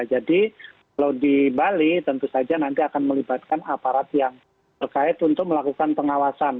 jadi kalau di bali tentu saja nanti akan melibatkan aparat yang berkait untuk melakukan pengawasan